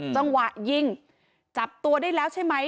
จังหวะยิงจับตัวได้แล้วใช่ไหม